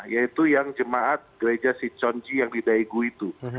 yaitu yang jemaat gereja si chonji yang di daegu itu